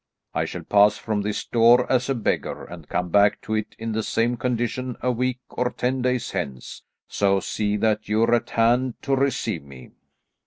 I shall pass from this door as a beggar, and come back to it in the same condition a week or ten days hence, so see that you're at hand to receive me."